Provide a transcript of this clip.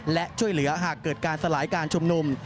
และช่วยเหลือหากเกิดการสลายการชุมนุม